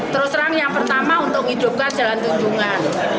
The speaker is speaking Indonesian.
terus terang yang pertama untuk hidupkan jalan tunjungan